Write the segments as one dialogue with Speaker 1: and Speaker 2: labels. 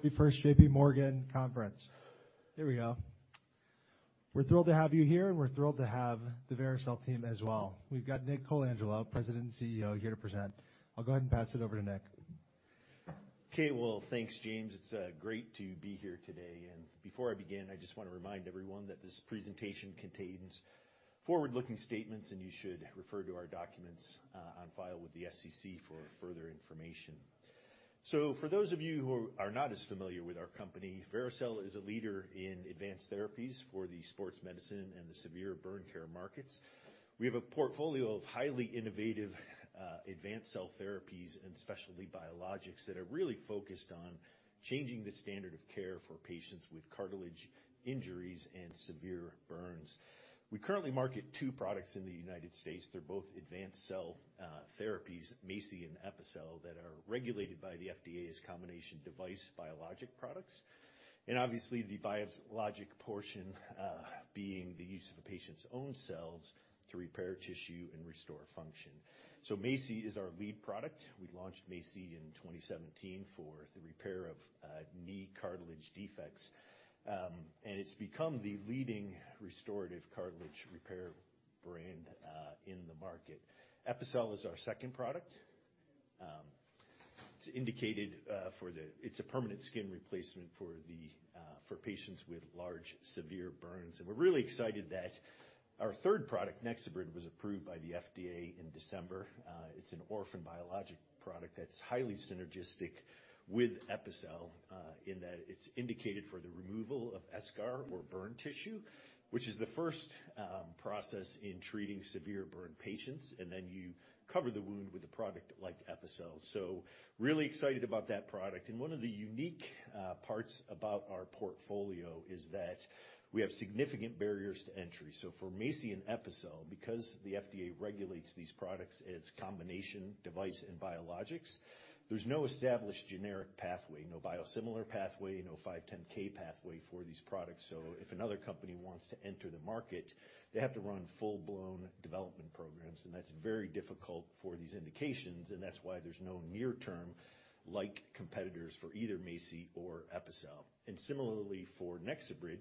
Speaker 1: Third day of the 41st J.P. Morgan Conference. Here we go. We're thrilled to have you here, and we're thrilled to have the Vericel team as well. We've got Nick Colangelo, President & CEO, here to present. I'll go ahead and pass it over to Nick.
Speaker 2: Okay. Well, thanks, James. It's great to be here today. Before I begin, I just wanna remind everyone that this presentation contains forward-looking statements, and you should refer to our documents on file with the SEC for further information. For those of you who are not as familiar with our company, Vericel is a leader in advanced therapies for the sports medicine and the severe burn care markets. We have a portfolio of highly innovative advanced cell therapies and specialty biologics that are really focused on changing the standard of care for patients with cartilage injuries and severe burns. We currently market 2 products in the United States. They're both advanced cell therapies, MACI and Epicel, that are regulated by the FDA as combination device and biologic products, and obviously, the biologic portion being the use of a patient's own cells to repair tissue and restore function. MACI is our lead product. We launched MACI in 2017 for the repair of knee cartilage defects, and it's become the leading restorative cartilage repair brand in the market. Epicel is our second product. It's indicated, it's a permanent skin replacement for patients with large severe burns. We're really excited that our third product, NexoBrid, was approved by the FDA in December. It's an orphan biologic product that's highly synergistic with Epicel, in that it's indicated for the removal of eschar or burn tissue, which is the first process in treating severe burn patients, and then you cover the wound with a product like Epicel. Really excited about that product. One of the unique parts about our portfolio is that we have significant barriers to entry. For MACI and Epicel, because the FDA regulates these products as combination device and biologics, there's no established generic pathway, no biosimilar pathway, no 510(k) pathway for these products. If another company wants to enter the market, they have to run full-blown development programs, and that's very difficult for these indications, and that's why there's no near-term like competitors for either MACI or Epicel. Similarly for NexoBrid,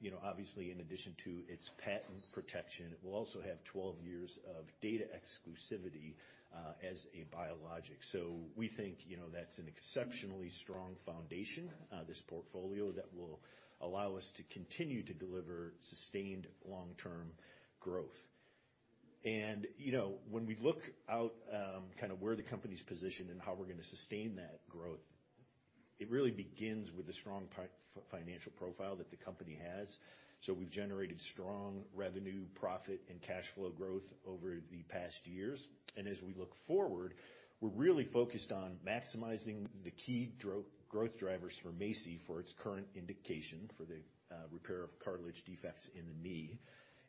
Speaker 2: you know, obviously, in addition to its patent protection, it will also have 12 years of data exclusivity as a biologic. We think, you know, that's an exceptionally strong foundation, this portfolio, that will allow us to continue to deliver sustained long-term growth. You know, when we look out, kinda where the company's positioned and how we're gonna sustain that growth, it really begins with the strong financial profile that the company has. We've generated strong revenue, profit, and cash flow growth over the past years. As we look forward, we're really focused on maximizing the key growth drivers for MACI for its current indication, for the repair of cartilage defects in the knee,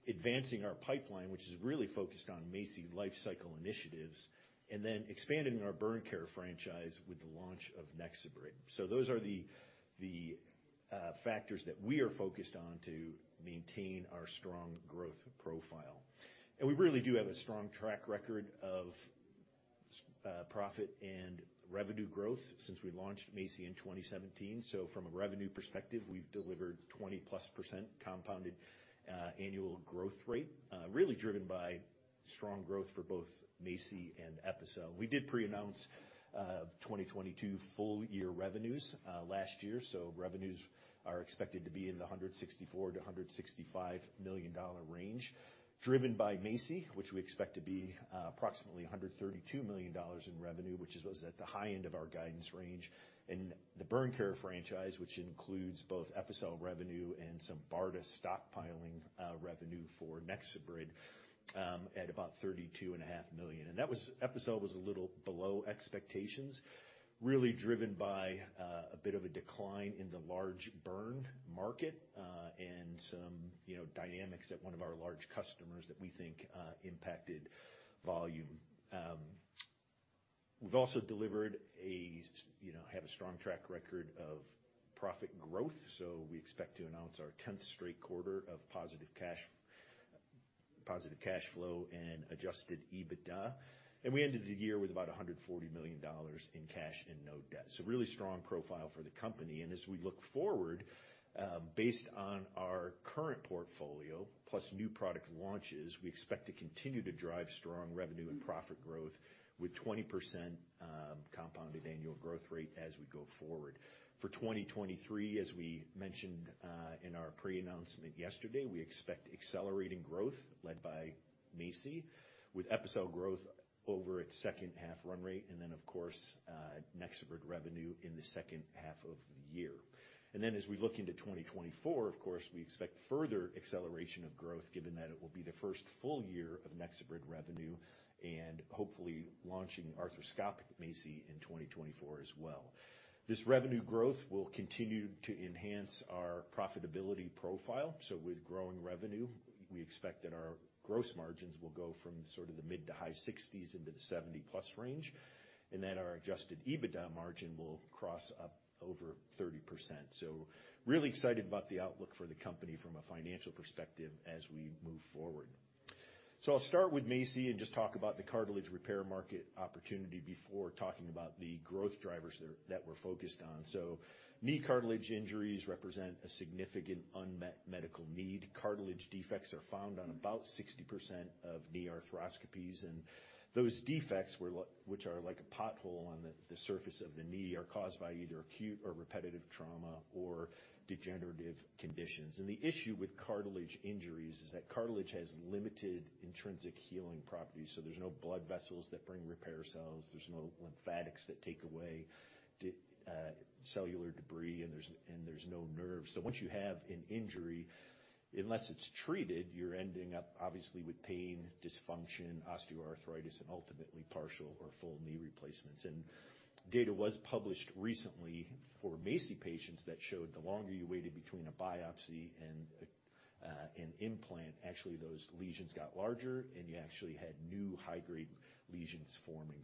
Speaker 2: advancing our pipeline, which is really focused on MACI life cycle initiatives, and then expanding our burn care franchise with the launch of NexoBrid. Those are the factors that we are focused on to maintain our strong growth profile. We really do have a strong track record of profit and revenue growth since we launched MACI in 2017. From a revenue perspective, we've delivered 20%+ compounded annual growth rate, really driven by strong growth for both MACI and Epicel. We did preannounce 2022 full year revenues last year. Revenues are expected to be in the $164 million-$165 million range, driven by MACI, which we expect to be approximately $132 million in revenue, which is what's at the high end of our guidance range. The burn care franchise, which includes both Epicel revenue and some BARDA stockpiling revenue for NexoBrid, at about $32.5 million. That was Epicel was a little below expectations, really driven by a bit of a decline in the large burn market, and some, you know, dynamics at one of our large customers that we think impacted volume. We've also delivered you know, have a strong track record of profit growth, so we expect to announce our 10th straight quarter of positive cash flow and adjusted EBITDA. We ended the year with about $140 million in cash and no debt. Really strong profile for the company. As we look forward, based on our current portfolio plus new product launches, we expect to continue to drive strong revenue and profit growth with 20% compounded annual growth rate as we go forward. For 2023, as we mentioned in our preannouncement yesterday, we expect accelerating growth led by MACI, with Epicel growth over its second half run rate, and then of course, NexoBrid revenue in the second half of the year. As we look into 2024, of course, we expect further acceleration of growth given that it will be the first full year of NexoBrid revenue and hopefully launching arthroscopic MACI in 2024 as well. This revenue growth will continue to enhance our profitability profile. With growing revenue, we expect that our gross margins will go from sort of the mid-to-high 60s into the 70-plus range, and that our adjusted EBITDA margin will cross up over 30%. Really excited about the outlook for the company from a financial perspective as we move forward. I'll start with MACI and just talk about the cartilage repair market opportunity before talking about the growth drivers that we're focused on. Knee cartilage injuries represent a significant unmet medical need. Cartilage defects are found on about 60% of knee arthroscopies, and those defects which are like a pothole on the surface of the knee, are caused by either acute or repetitive trauma or degenerative conditions. The issue with cartilage injuries is that cartilage has limited intrinsic healing properties, so there's no blood vessels that bring repair cells, there's no lymphatics that take away cellular debris, and there's no nerves. Once you have an injury, unless it's treated, you're ending up obviously with pain, dysfunction, osteoarthritis, and ultimately partial or full knee replacements. Data was published recently for MACI patients that showed the longer you waited between a biopsy and an implant, actually those lesions got larger, and you actually had new high-grade lesions forming.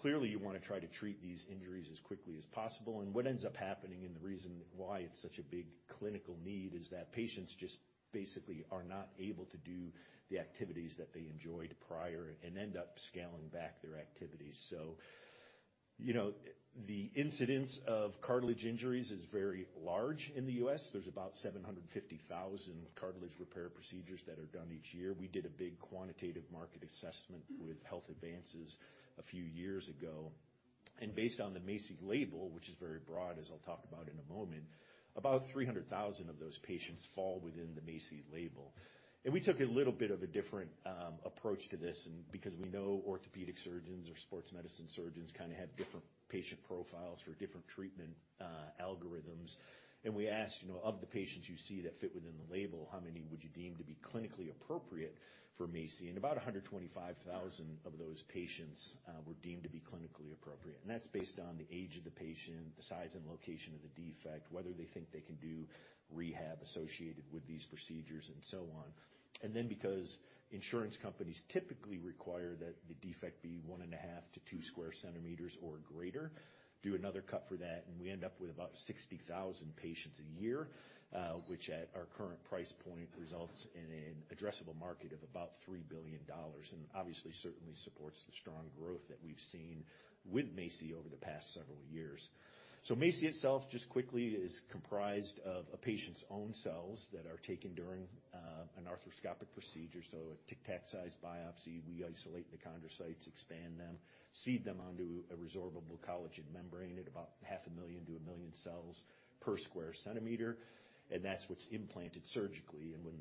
Speaker 2: Clearly, you wanna try to treat these injuries as quickly as possible. What ends up happening and the reason why it's such a big clinical need is that patients just basically are not able to do the activities that they enjoyed prior and end up scaling back their activities. You know, the incidence of cartilage injuries is very large in the U.S. There's about 750,000 cartilage repair procedures that are done each year. We did a big quantitative market assessment with Health Advances a few years ago, based on the MACI label, which is very broad, as I'll talk about in a moment, about 300,000 of those patients fall within the MACI label. We took a little bit of a different approach to this and because we know orthopedic surgeons or sports medicine surgeons kinda have different patient profiles for different treatment algorithms. We asked, you know, "Of the patients you see that fit within the label, how many would you deem to be clinically appropriate for MACI?" About 125,000 of those patients were deemed to be clinically appropriate. That's based on the age of the patient, the size and location of the defect, whether they think they can do rehab associated with these procedures and so on. Because insurance companies typically require that the defect be 1.5 to 2 square centimeters or greater, do another cut for that, and we end up with about 60,000 patients a year, which at our current price point results in an addressable market of about $3 billion, and obviously certainly supports the strong growth that we've seen with MACI over the past several years. MACI itself, just quickly, is comprised of a patient's own cells that are taken during an arthroscopic procedure, so a Tic Tac-sized biopsy. We isolate the chondrocytes, expand them, seed them onto a resorbable collagen membrane at about 0.5 million to 1 million cells per square centimeter. That's what's implanted surgically. When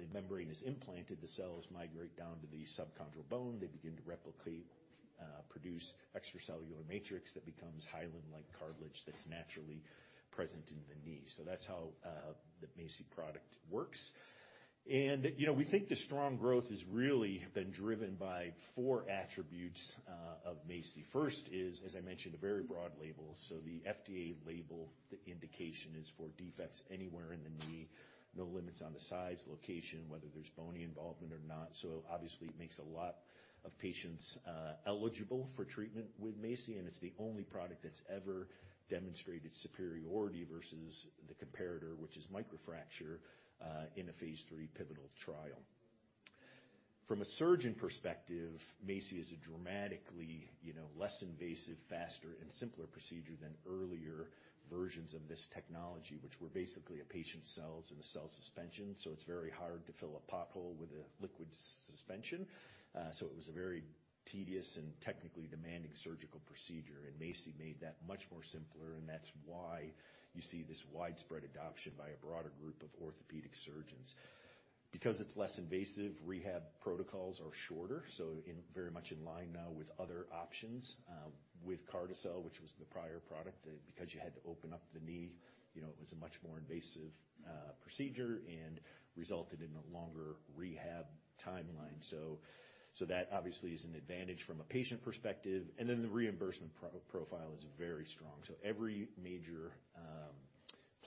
Speaker 2: the membrane is implanted, the cells migrate down to the subchondral bone, they begin to replicate, produce extracellular matrix that becomes hyaline-like cartilage that's naturally present in the knee. That's how the MACI product works. You know, we think the strong growth has really been driven by four attributes of MACI. First is, as I mentioned, a very broad label. The FDA label, the indication is for defects anywhere in the knee, no limits on the size, location, whether there's bony involvement or not. Obviously, it makes a lot of patients eligible for treatment with MACI, and it's the only product that's ever demonstrated superiority versus the comparator, which is microfracture, in a phase III pivotal trial. From a surgeon perspective, MACI is a dramatically, you know, less invasive, faster, and simpler procedure than earlier versions of this technology, which were basically a patient's cells in a cell suspension, so it's very hard to fill a pothole with a liquid suspension. It was a very tedious and technically demanding surgical procedure, and MACI made that much more simpler, and that's why you see this widespread adoption by a broader group of orthopedic surgeons. It's less invasive, rehab protocols are shorter, very much in line now with other options. With Carticel, which was the prior product, because you had to open up the knee, you know, it was a much more invasive procedure and resulted in a longer rehab timeline. That obviously is an advantage from a patient perspective. Then the reimbursement profile is very strong. Every major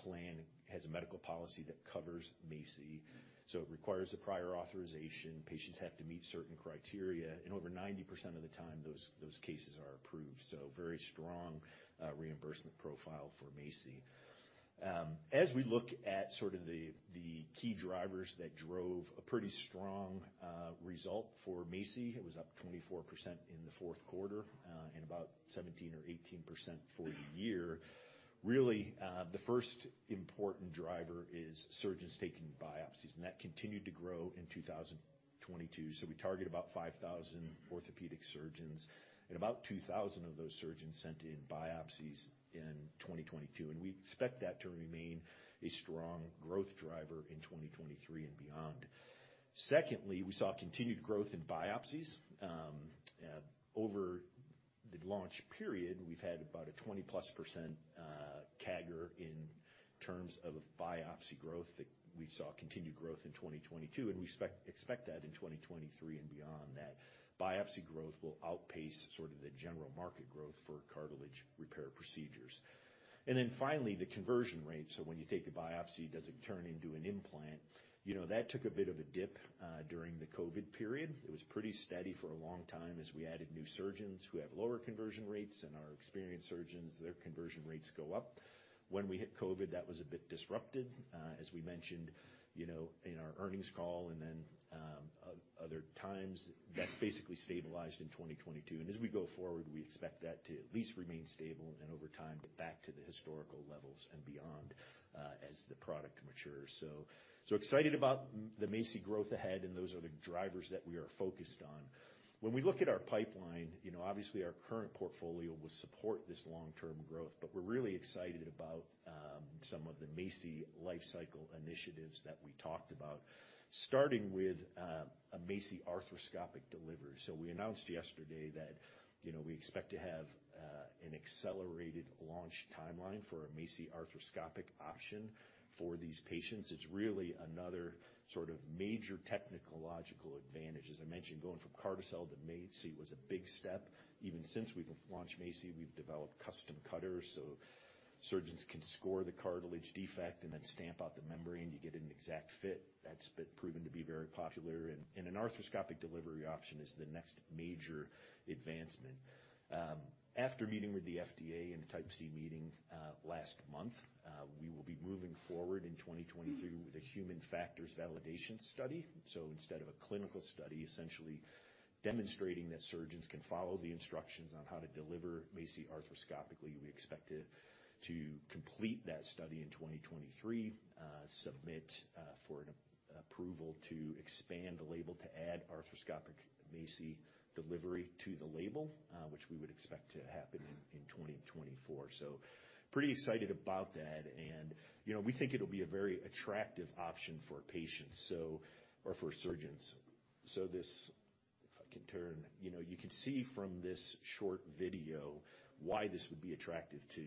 Speaker 2: plan has a medical policy that covers MACI, so it requires a prior authorization. Patients have to meet certain criteria, and over 90% of the time, those cases are approved, so very strong reimbursement profile for MACI. As we look at sort of the key drivers that drove a pretty strong result for MACI, it was up 24% in the fourth quarter, and about 17% or 18% for the year. Really, the first important driver is surgeons taking biopsies, and that continued to grow in 2022. We target about 5,000 orthopedic surgeons, and about 2,000 of those surgeons sent in biopsies in 2022, and we expect that to remain a strong growth driver in 2023 and beyond. Secondly, we saw continued growth in biopsies. Over the launch period, we've had about a 20%+ CAGR in terms of biopsy growth that we saw continued growth in 2022, and we expect that in 2023 and beyond, that biopsy growth will outpace sort of the general market growth for cartilage repair procedures. Finally, the conversion rate. When you take a biopsy, does it turn into an implant? You know, that took a bit of a dip during the COVID period. It was pretty steady for a long time as we added new surgeons who have lower conversion rates, and our experienced surgeons, their conversion rates go up. When we hit COVID, that was a bit disrupted. As we mentioned, you know, in our earnings call and then other times, that's basically stabilized in 2022. As we go forward, we expect that to at least remain stable and over time, get back to the historical levels and beyond, as the product matures. So excited about the MACI growth ahead. Those are the drivers that we are focused on. When we look at our pipeline, you know, obviously, our current portfolio will support this long-term growth, but we're really excited about some of the MACI life cycle initiatives that we talked about, starting with a MACI arthroscopic delivery. We announced yesterday that, you know, we expect to have an accelerated launch timeline for a MACI arthroscopic option for these patients. It's really another sort of major technological advantage. As I mentioned, going from Carticel to MACI was a big step. Even since we've launched MACI, we've developed custom cutters, so surgeons can score the cartilage defect and then stamp out the membrane. You get an exact fit. That's been proven to be very popular and an arthroscopic delivery option is the next major advancement. After meeting with the FDA in a Type C meeting last month, we will be moving forward in 2023 with a human factors validation study. Instead of a clinical study, essentially demonstrating that surgeons can follow the instructions on how to deliver MACI arthroscopically, we expect to complete that study in 2023, submit for an approval to expand the label to add arthroscopic MACI delivery to the label, which we would expect to happen in 2024. Pretty excited about that. You know, we think it'll be a very attractive option for patients or for surgeons. You know, you can see from this short video why this would be attractive to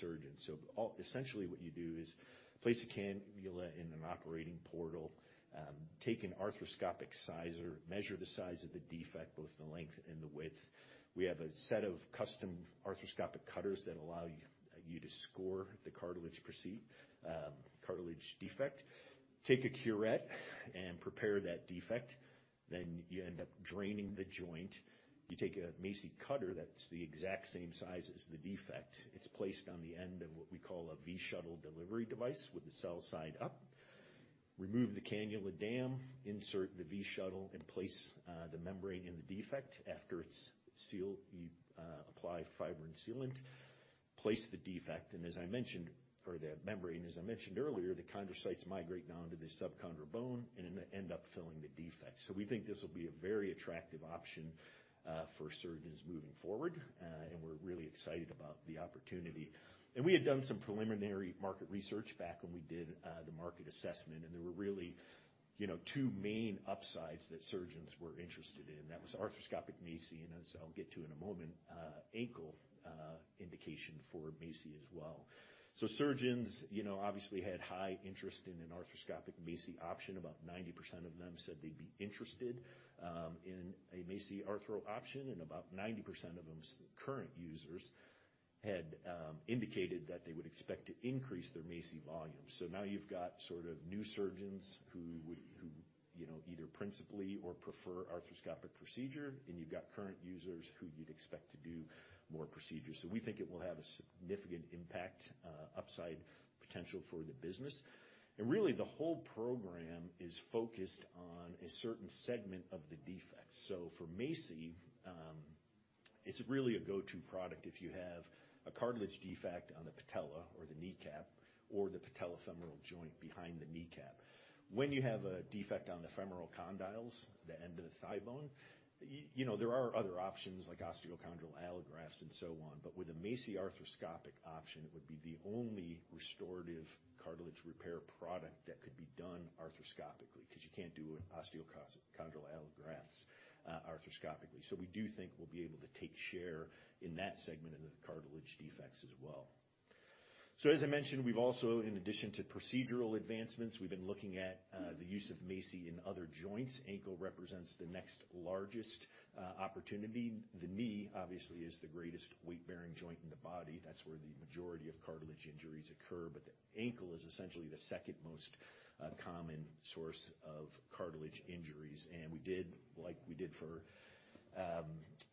Speaker 2: surgeons. Essentially what you do is place a cannula in an operating portal, take an arthroscopic sizer, measure the size of the defect, both the length and the width. We have a set of custom arthroscopic cutters that allow you to score the cartilage defect. Take a curette and prepare that defect. You end up draining the joint. You take a MACI cutter that's the exact same size as the defect. It's placed on the end of what we call a V-Shuttle delivery device with the cell side up. Remove the cannula dam, insert the V-Shuttle, and place the membrane in the defect. After it's sealed, you apply fibrin sealant, place the defect. Or the membrane. As I mentioned earlier, the chondrocytes migrate now into the subchondral bone and end up filling the defect. We think this will be a very attractive option for surgeons moving forward. We're really excited about the opportunity. We had done some preliminary market research back when we did the market assessment, and there were really, you know, two main upsides that surgeons were interested in. That was arthroscopic MACI, and as I'll get to in a moment, ankle indication for MACI as well. Surgeons, you know, obviously had high interest in an arthroscopic MACI option. About 90% of them said they'd be interested in a MACI arthro option, and about 90% of them, current users, had indicated that they would expect to increase their MACI volume. Now you've got sort of new surgeons who, you know, either principally or prefer arthroscopic procedure, and you've got current users who you'd expect to do more procedures. We think it will have a significant impact, upside potential for the business. Really, the whole program is focused on a certain segment of the defect. For MACI, it's really a go-to product if you have a cartilage defect on the patella or the kneecap, or the patellofemoral joint behind the kneecap. When you have a defect on the femoral condyles, the end of the thighbone, you know, there are other options like osteochondral allografts and so on, but with a MACI arthroscopic option, it would be the only restorative cartilage repair product that could be done arthroscopically, 'cause you can't do osteochondral allografts arthroscopically. We do think we'll be able to take share in that segment of the cartilage defects as well. As I mentioned, we've also, in addition to procedural advancements, we've been looking at the use of MACI in other joints. Ankle represents the next largest opportunity. The knee, obviously, is the greatest weight-bearing joint in the body. That's where the majority of cartilage injuries occur. The ankle is essentially the second most common source of cartilage injuries. We did, like we did for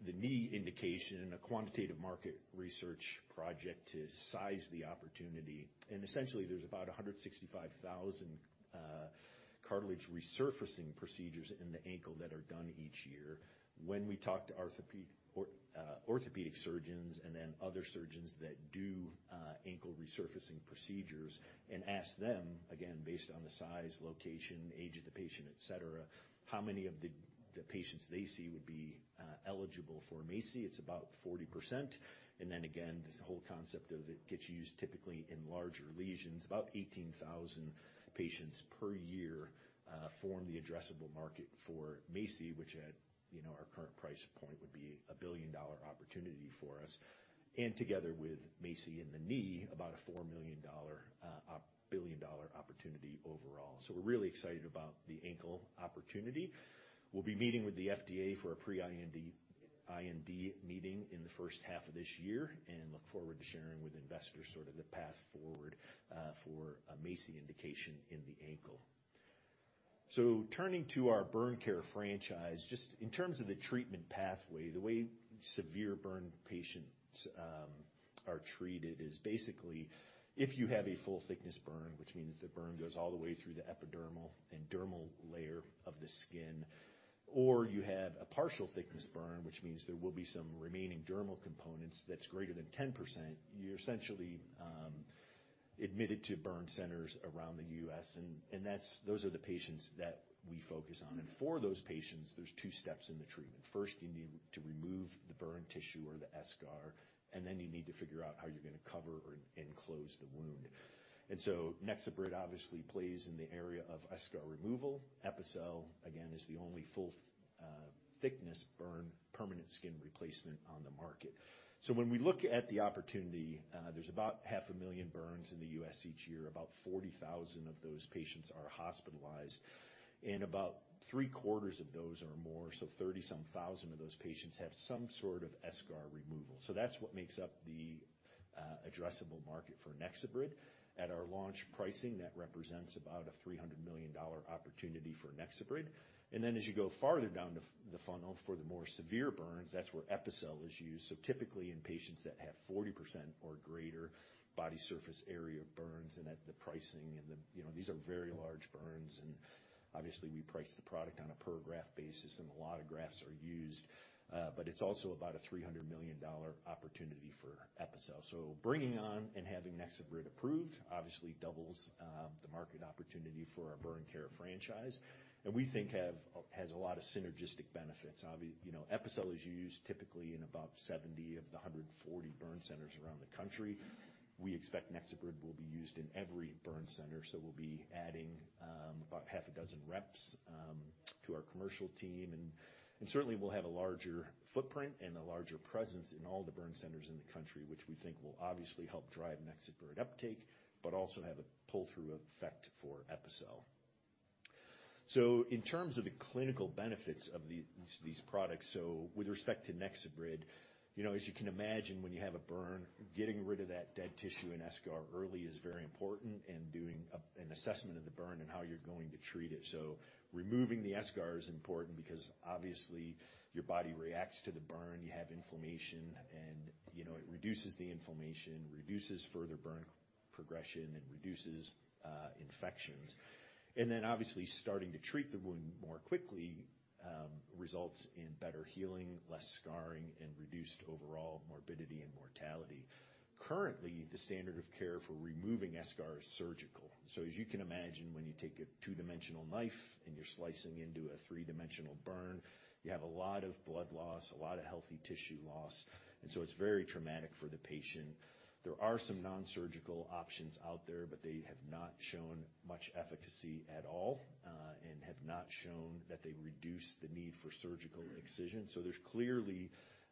Speaker 2: the knee indication, a quantitative market research project to size the opportunity. Essentially, there's about 165,000 cartilage resurfacing procedures in the ankle that are done each year. When we talk to orthopedic surgeons and then other surgeons that do ankle resurfacing procedures and ask them, again, based on the size, location, age of the patient, et cetera, how many of the patients they see would be eligible for MACI, it's about 40%. Again, this whole concept of it gets used typically in larger lesions. About 18,000 patients per year form the addressable market for MACI, which at, you know, our current price point would be a $1 billion-dollar opportunity for us. Together with MACI, a $1 billion opportunity overall. We're really excited about the ankle opportunity. We'll be meeting with the FDA for a pre-IND, IND meeting in the first half of this year, and look forward to sharing with investors sort of the path forward for a MACI indication in the ankle. Turning to our burn care franchise, just in terms of the treatment pathway, the way severe burn patients are treated is basically, if you have a full-thickness burn, which means the burn goes all the way through the epidermal and dermal layer of the skin, or you have a partial-thickness burn, which means there will be some remaining dermal components that's greater than 10%, you're essentially admitted to burn centers around the U.S. Those are the patients that we focus on. For those patients, there's two steps in the treatment. First, you need to remove the burn tissue or the eschar, then you need to figure out how you're gonna cover or enclose the wound. NexoBrid obviously plays in the area of eschar removal. Epicel again, is the only full thickness burn permanent skin replacement on the market. When we look at the opportunity, there's about half a million burns in the U.S. each year. About 40,000 of those patients are hospitalized, and about three-quarters of those or more, 37,000 of those patients have some sort of eschar removal. That's what makes up the addressable market for NexoBrid. At our launch pricing, that represents about a $300 million opportunity for NexoBrid. Then as you go farther down the funnel for the more severe burns, that's where Epicel is used. Typically in patients that have 40% or greater body surface area burns and at the pricing and the... You know, these are very large burns, obviously we price the product on a per graft basis, and a lot of grafts are used. It's also about a $300 million opportunity for Epicel. Bringing on and having NexoBrid approved obviously doubles the market opportunity for our burn care franchise, and we think has a lot of synergistic benefits. You know, Epicel is used typically in about 70 of the 140 burn centers around the country. We expect NexoBrid will be used in every burn center, so we'll be adding about half a dozen reps to our commercial team, certainly we'll have a larger footprint and a larger presence in all the burn centers in the country, which we think will obviously help drive NexoBrid uptake, but also have a pull-through effect for Epicel. In terms of the clinical benefits of the, these products, so with respect to NexoBrid, you know, as you can imagine, when you have a burn, getting rid of that dead tissue and eschar early is very important and doing an assessment of the burn and how you're going to treat it. Removing the eschar is important because obviously your body reacts to the burn, you have inflammation and, you know, it reduces the inflammation, reduces further burn progression, it reduces infections. Then obviously starting to treat the wound more quickly, results in better healing, less scarring, and reduced overall morbidity and mortality. Currently, the standard of care for removing eschar is surgical. As you can imagine, when you take a two-dimensional knife and you're slicing into a three-dimensional burn, you have a lot of blood loss, a lot of healthy tissue loss, and so it's very traumatic for the patient. There are some non-surgical options out there, but they have not shown much efficacy at all, and have not shown that they reduce the need for surgical incision. There's clearly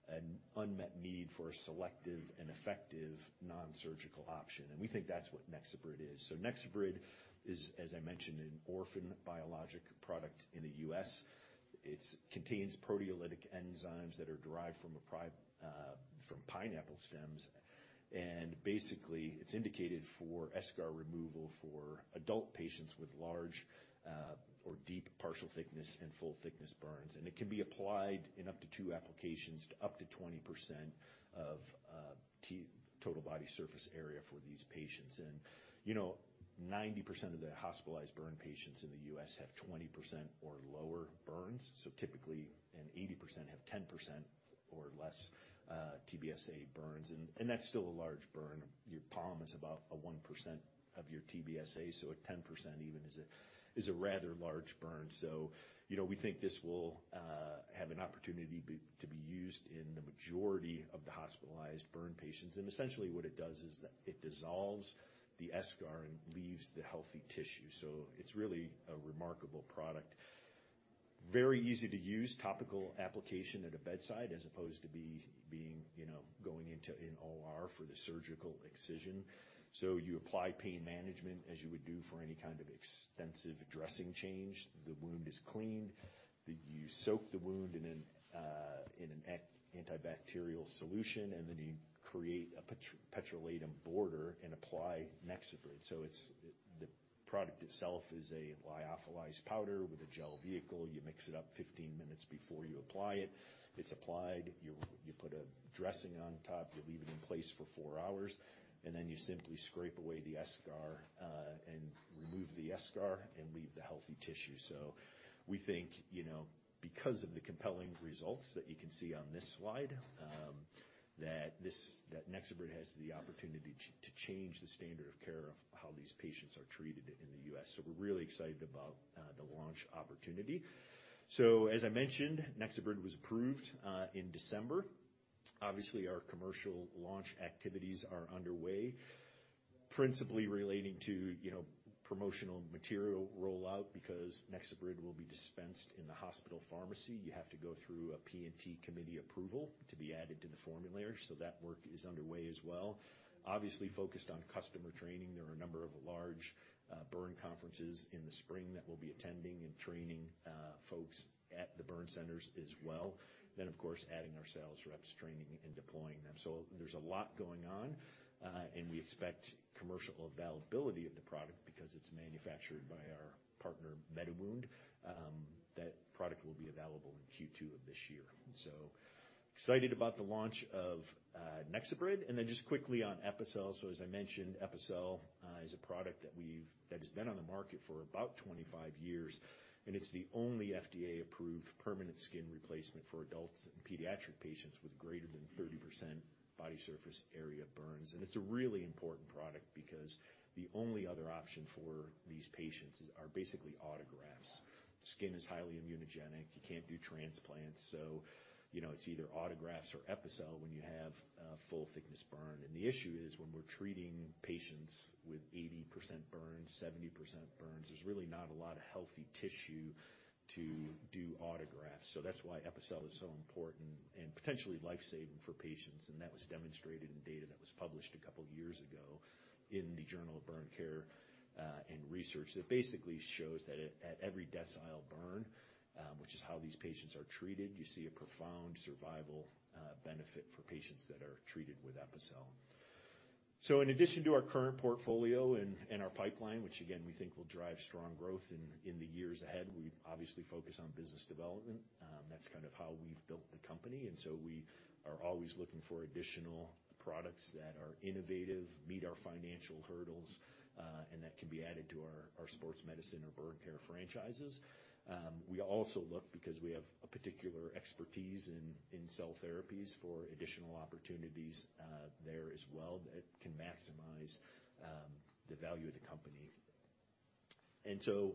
Speaker 2: an unmet need for a selective and effective non-surgical option, and we think that's what NexoBrid is. NexoBrid is, as I mentioned, an orphan biologic product in the U.S. It's contains proteolytic enzymes that are derived from pineapple stems. Basically, it's indicated for eschar removal for adult patients with large, or deep partial thickness and full thickness burns. It can be applied in up to 2 applications to up to 20% of total body surface area for these patients. You know, 90% of the hospitalized burn patients in the U.S. have 20% or lower burns. Typically, and 80% have 10% or less TBSA burns, and that's still a large burn. Your palm is about a 1% of your TBSA, so at 10% even is a rather large burn. You know, we think this will have an opportunity to be used in the majority of the hospitalized burn patients. Essentially what it does is that it dissolves the eschar and leaves the healthy tissue. It's really a remarkable product. Very easy to use, topical application at a bedside as opposed to being, you know, going into an OR for the surgical excision. You apply pain management as you would do for any kind of extensive dressing change. The wound is cleaned, you soak the wound in an antibacterial solution, and then you create a petrolatum border and apply NexoBrid. The product itself is a lyophilized powder with a gel vehicle. You mix it up 15 minutes before you apply it. It's applied. You put a dressing on top, you leave it in place for four hours, and then you simply scrape away the eschar and remove the eschar and leave the healthy tissue. We think, you know, because of the compelling results that you can see on this slide, that this, that NexoBrid has the opportunity to change the standard of care of how these patients are treated in the U.S. We're really excited about the launch opportunity. As I mentioned, NexoBrid was approved in December. Obviously, our commercial launch activities are underway. Principally relating to, you know, promotional material rollout because NexoBrid will be dispensed in the hospital pharmacy. You have to go through a P&T committee approval to be added to the formulary, so that work is underway as well. Obviously focused on customer training. There are a number of large burn conferences in the spring that we'll be attending and training folks at the burn centers as well. Of course, adding our sales reps, training and deploying them. There's a lot going on, and we expect commercial availability of the product because it's manufactured by our partner, MediWound, that product will be available in Q2 of this year. Excited about the launch of NexoBrid. Just quickly on Epicel. As I mentioned, Epicel, that has been on the market for about 25 years, and it's the only FDA-approved permanent skin replacement for adults and pediatric patients with greater than 30% body surface area burns. It's a really important product because the only other option for these patients are basically autografts. Skin is highly immunogenic. You can't do transplants. You know, it's either autografts or Epicel when you have a full thickness burn. The issue is when we're treating patients with 80% burns, 70% burns, there's really not a lot of healthy tissue to do autografts. That's why Epicel is so important and potentially life-saving for patients. That was demonstrated in data that was published a couple years ago in the Journal of Burn Care & Research, that basically shows that at every decile burn, which is how these patients are treated, you see a profound survival benefit for patients that are treated with Epicel. In addition to our current portfolio and our pipeline, which again, we think will drive strong growth in the years ahead, we obviously focus on business development. That's kind of how we've built the company. We are always looking for additional products that are innovative, meet our financial hurdles, and that can be added to our sports medicine or burn care franchises. We also look, because we have a particular expertise in cell therapies, for additional opportunities there as well that can maximize the value of the company.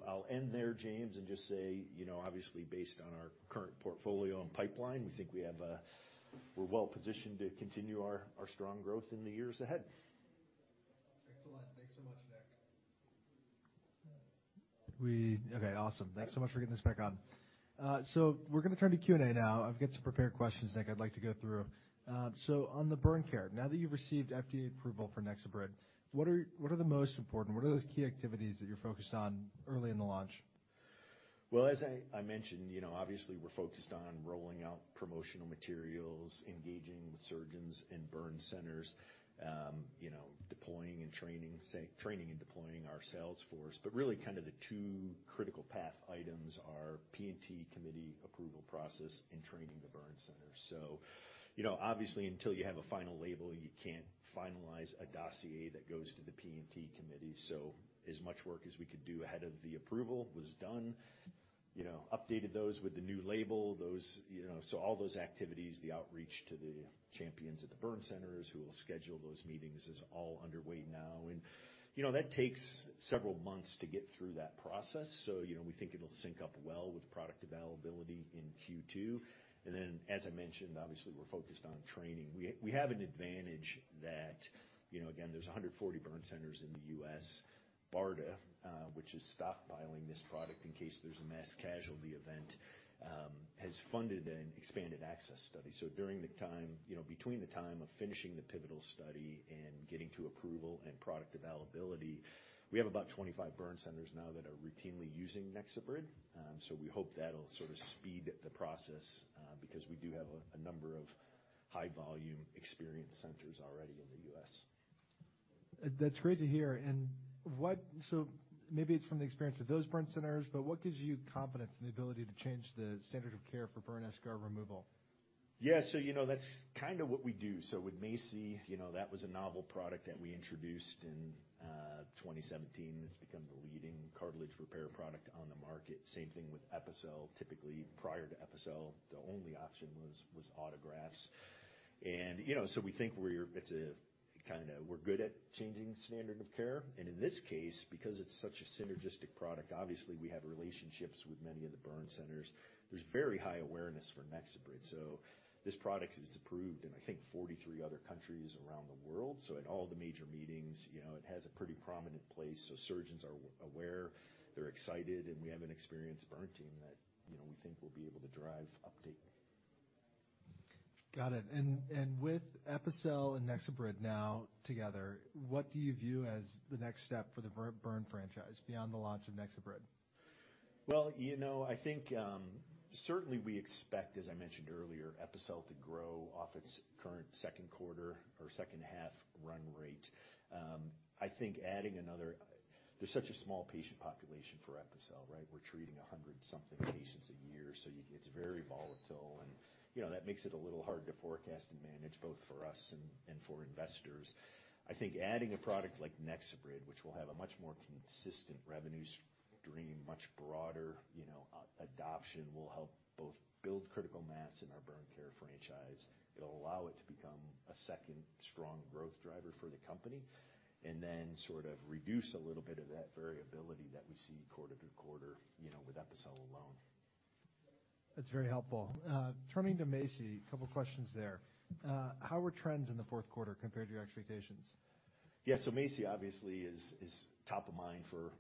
Speaker 2: I'll end there, James, and just say, you know, obviously based on our current portfolio and pipeline, we think we're well positioned to continue our strong growth in the years ahead.
Speaker 1: Excellent. Thanks so much, Nick. Okay, awesome. Thanks so much for getting this back on. We're gonna turn to Q&A now. I've got some prepared questions, Nick, I'd like to go through. On the burn care, now that you've received FDA approval for NexoBrid, what are the most important? What are those key activities that you're focused on early in the launch?
Speaker 2: Well, as I mentioned, you know, obviously, we're focused on rolling out promotional materials, engaging with surgeons and burn centers, you know, training and deploying our sales force. Really kind of the two critical path items are P&T committee approval process and training the burn centers. You know, obviously, until you have a final label, you can't finalize a dossier that goes to the P&T committee. As much work as we could do ahead of the approval was done. You know, updated those with the new label, so all those activities, the outreach to the champions at the burn centers who will schedule those meetings is all underway now. You know, that takes several months to get through that process. You know, we think it'll sync up well with product availability in Q2. As I mentioned, obviously, we're focused on training. We have an advantage that, you know, again, there's 140 burn centers in the U.S. BARDA, which is stockpiling this product in case there's a mass casualty event, has funded an expanded access study. Between the time of finishing the pivotal study and getting to approval and product availability, we have about 25 burn centers now that are routinely using NexoBrid. We hope that'll sort of speed the process, because we do have a number of high volume experienced centers already in the U.S.
Speaker 1: That's great to hear. Maybe it's from the experience with those burn centers, but what gives you confidence in the ability to change the standard of care for burn eschar removal?
Speaker 2: Yeah. You know, that's kind of what we do. With MACI, you know, that was a novel product that we introduced in 2017. It's become the leading cartilage repair product on the market. Same thing with Epicel. Typically, prior to Epicel, the only option was autografts. You know, we think we're kind of good at changing standard of care. In this case, because it's such a synergistic product, obviously, we have relationships with many of the burn centers. There's very high awareness for NexoBrid. This product is approved in, I think, 43 other countries around the world. At all the major meetings, you know, it has a pretty prominent place. Surgeons are aware, they're excited, and we have an experienced burn team that, you know, we think will be able to drive uptake.
Speaker 1: Got it. With Epicel and NexoBrid now together, what do you view as the next step for the burn franchise beyond the launch of NexoBrid?
Speaker 2: You know, I think, certainly we expect, as I mentioned earlier, Epicel to grow off its current second quarter or second half run rate. I think. There's such a small patient population for Epicel, right? We're treating 100 something patients a year, so it's very volatile. You know, that makes it a little hard to forecast and manage both for us and for investors. I think adding a product like NexoBrid, which will have a much more consistent revenue stream, much broader, you know, adoption, will help both build critical mass in our burn care franchise. It'll allow it to become a second strong growth driver for the company, and then sort of reduce a little bit of that variability that we see quarter-to-quarter, you know, with Epicel alone.
Speaker 1: That's very helpful. Turning to MACI, a couple questions there. How were trends in the fourth quarter compared to your expectations?
Speaker 2: MACI obviously is top of mind for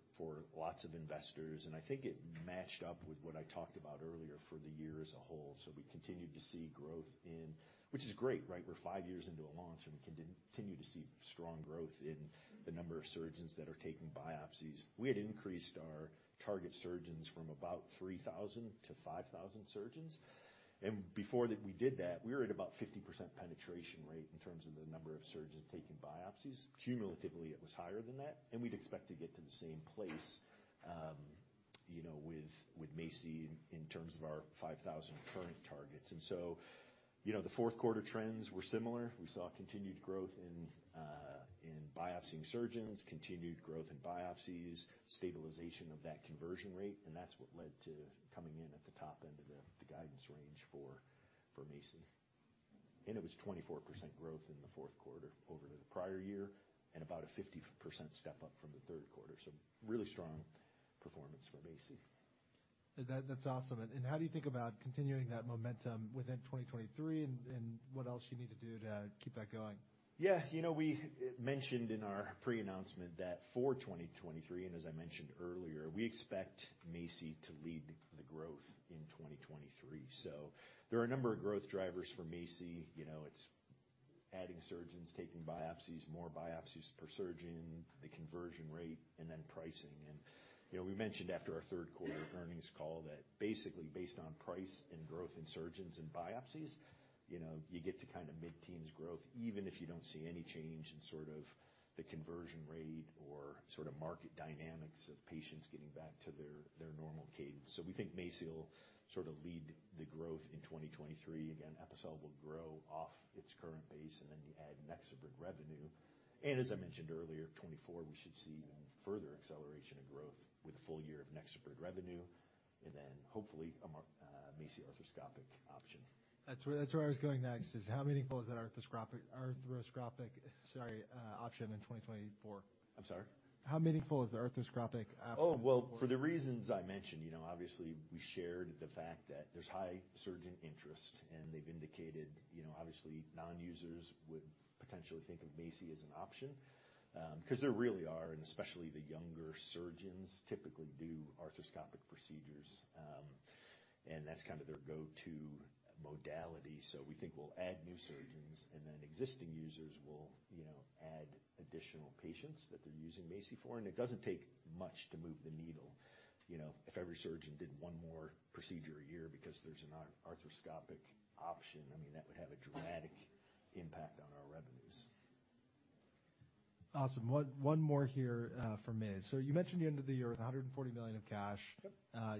Speaker 2: lots of investors, and I think it matched up with what I talked about earlier for the year as a whole. We continued to see growth. Which is great, right? We're five years into a launch, and we continue to see strong growth in the number of surgeons that are taking biopsies. We had increased our target surgeons from about 3,000 to 5,000 surgeons. Before that we did that, we were at about 50% penetration rate in terms of the number of surgeons taking biopsies. Cumulatively, it was higher than that, and we'd expect to get to the same place, you know, with MACI in terms of our 5,000 current targets. The fourth quarter trends were similar. We saw continued growth in in biopsying surgeons, continued growth in biopsies, stabilization of that conversion rate, and that's what led to coming in at the top end of the guidance range for MACI. It was 24% growth in the fourth quarter over the prior year and about a 50% step-up from the third quarter. Really strong performance for MACI.
Speaker 1: That's awesome. How do you think about continuing that momentum within 2023 and what else you need to do to keep that going?
Speaker 2: You know, we mentioned in our pre-announcement that for 2023, and as I mentioned earlier, we expect MACI to lead the growth in 2023. There are a number of growth drivers for MACI. You know, it's adding surgeons taking biopsies, more biopsies per surgeon, the conversion rate, and then pricing. You know, we mentioned after our third quarter earnings call that basically based on price and growth in surgeons and biopsies, you know, you get to kinda mid-teens growth, even if you don't see any change in sort of the conversion rate or sort of market dynamics of patients getting back to their normal cadence. We think MACI will sort of lead the growth in 2023. Again, Epicel will grow off its current base, and then you add NexoBrid revenue. As I mentioned earlier, 2024, we should see even further acceleration and growth with a full year of NexoBrid revenue and then hopefully a MACI arthroscopic option.
Speaker 1: That's where I was going next, is how meaningful is that arthroscopic, sorry, option in 2024?
Speaker 2: I'm sorry?
Speaker 1: How meaningful is the arthroscopic option in 2024?
Speaker 2: Well, for the reasons I mentioned, you know, obviously, we shared the fact that there's high surgeon interest, and they've indicated, you know, obviously, non-users would potentially think of MACI as an option. 'Cause there really are, and especially the younger surgeons typically do arthroscopic procedures, and that's kind of their go-to modality. We think we'll add new surgeons, and then existing users will, you know, add additional patients that they're using MACI for. It doesn't take much to move the needle. You know, if every surgeon did one more procedure a year because there's an arthroscopic option, I mean, that would have a dramatic impact on our revenues.
Speaker 1: Awesome. One, one more here for me. You mentioned the end of the year, $140 million of cash.
Speaker 2: Yep.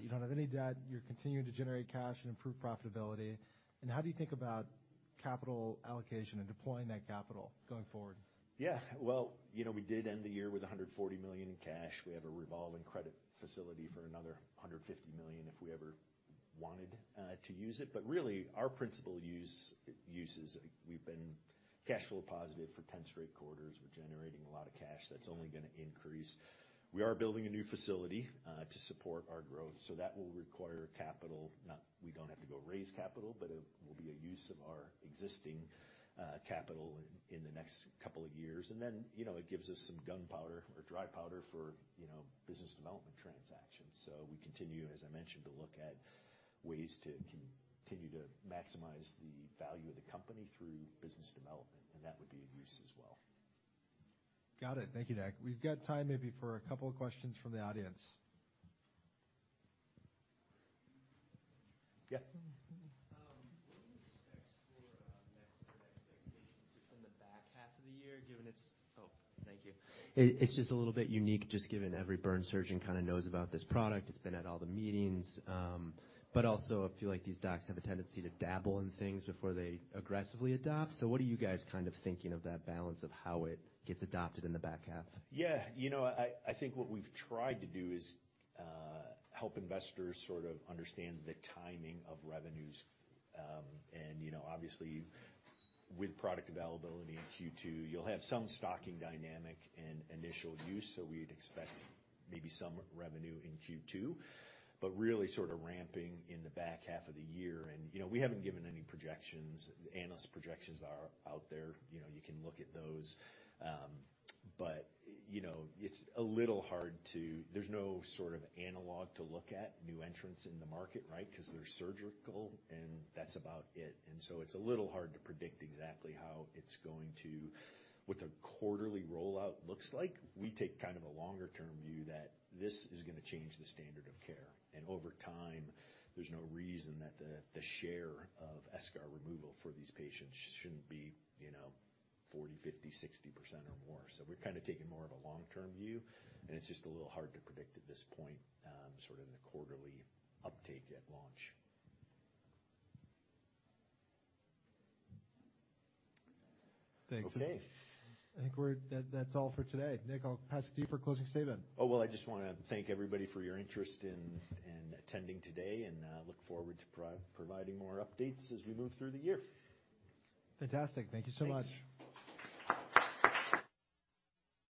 Speaker 1: You don't have any debt. You're continuing to generate cash and improve profitability. How do you think about capital allocation and deploying that capital going forward?
Speaker 2: Yeah. Well, you know, we did end the year with $140 million in cash. We have a revolving credit facility for another $150 million if we ever wanted to use it. Really, our principal uses, we've been cash flow positive for 10 straight quarters. We're generating a lot of cash. That's only gonna increase. We are building a new facility to support our growth, so that will require capital. We don't have to go raise capital, but it will be a use of our existing capital in the next couple of years. Then, you know, it gives us some gunpowder or dry powder for, you know, business development transactions. We continue, as I mentioned, to look at ways to continue to maximize the value of the company through business development, and that would be of use as well.
Speaker 1: Got it. Thank you, Nick. We've got time maybe for a couple of questions from the audience.
Speaker 2: Yeah.
Speaker 3: What are your specs for NexoBrid expectations just in the back half of the year, given it's. Oh, thank you. It's just a little bit unique just given every burn surgeon kinda knows about this product. It's been at all the meetings. Also, I feel like these docs have a tendency to dabble in things before they aggressively adopt. What are you guys kind of thinking of that balance of how it gets adopted in the back half?
Speaker 2: Yeah. You know, I think what we've tried to do is help investors sort of understand the timing of revenues. You know, obviously, with product availability in Q2, you'll have some stocking dynamic and initial use. We'd expect maybe some revenue in Q2, but really sort of ramping in the back half of the year. You know, we haven't given any projections. The analyst projections are out there. You know, you can look at those. You know, it's a little hard to. There's no sort of analog to look at, new entrants in the market, right? 'Cause they're surgical, and that's about it. It's a little hard to predict exactly how it's going to. What the quarterly rollout looks like. We take kind of a longer-term view that this is gonna change the standard of care. Over time, there's no reason that the share of eschar removal for these patients shouldn't be, you know, 40%, 50%, 60% or more. We're kinda taking more of a long-term view, and it's just a little hard to predict at this point, sort of the quarterly uptake at launch.
Speaker 1: Thanks.
Speaker 2: Okay.
Speaker 1: That's all for today. Nick, I'll pass it to you for closing statement.
Speaker 2: Well, I just wanna thank everybody for your interest in attending today, and look forward to providing more updates as we move through the year.
Speaker 1: Fantastic. Thank you so much.
Speaker 2: Thanks.